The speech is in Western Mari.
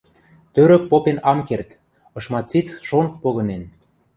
Тӧрӧк попен ам керд — ышма циц шонг погынен